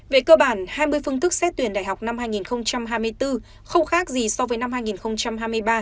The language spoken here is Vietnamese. về cơ bản hai mươi phương thức xét tuyển đại học năm hai nghìn hai mươi bốn không khác gì so với năm hai nghìn hai mươi ba